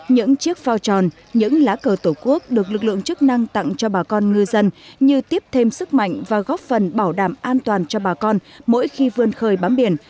những chiếc phao tròn những lá cờ tổ quốc được lực lượng chức năng tặng cho bà con ngư dân như tiếp thêm sức mạnh và góp phần bảo đảm an toàn cho bà con mỗi khi vươn khơi bám biển